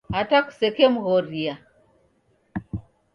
Hata kusekemghoria.